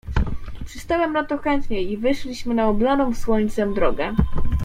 "Przystałem na to chętnie i wyszliśmy na oblaną słońcem drogę."